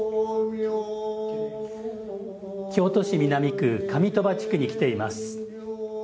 京都市南区、上鳥羽地区に来ています。